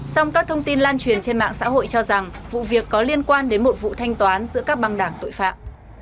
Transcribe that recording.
xong các thông tin lan truyền trên mạng xã hội cho rằng vụ việc có liên quan đến một vụ thanh toán giữa các băng đảng tội phạm